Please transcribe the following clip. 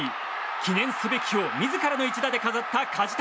記念すべきを自らの一打で飾った梶谷。